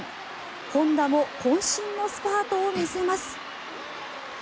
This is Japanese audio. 本多もこん身のスパートを見せます。